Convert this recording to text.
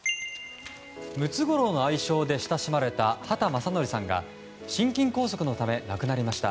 ムツゴロウの愛称で親しまれた畑正憲さんが心筋梗塞のため亡くなりました。